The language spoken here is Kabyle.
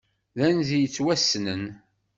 D anzi yettwassnen.